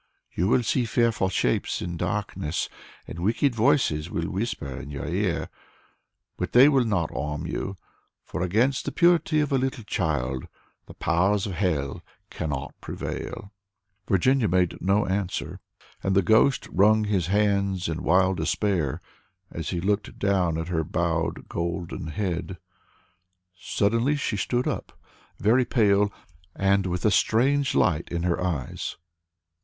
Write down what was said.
You will see fearful shapes in darkness, and wicked voices will whisper in your ear, but they will not harm you, for against the purity of a little child the powers of Hell cannot prevail." Virginia made no answer, and the ghost wrung his hands in wild despair as he looked down at her bowed golden head. Suddenly she stood up, very pale, and with a strange light in her eyes.